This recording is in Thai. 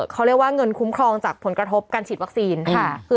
เขาเรียกว่าเงินคุ้มครองจากผลกระทบการฉีดวัคซีน